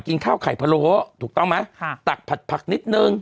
กินข้าวไข่พะโล้ถูกต้องไหมค่ะตักผัดผักนิดนึง